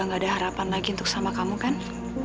tapi benar udah gak ada harapan lagi untuk sama kamu kan